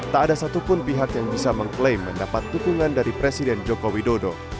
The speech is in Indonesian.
tak ada satupun pihak yang bisa mengklaim mendapat dukungan dari presiden joko widodo